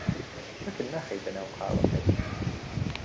شەکر ناخەیتە ناو قاوەکەت.